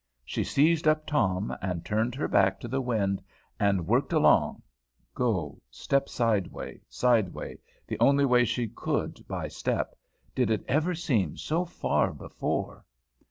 She seized up Tom, and turned her back to the wind, and worked along, go, step sideway, sideway, the only way she could by step, did it ever seem so far before?